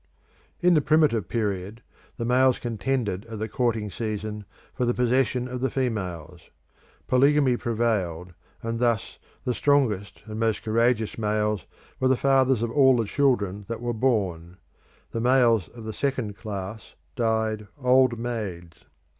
In the primitive period, the males contended at the courting season for the possession of the females; polygamy prevailed, and thus the strongest and most courageous males were the fathers of all the children that were born; the males of the second class died "old maids."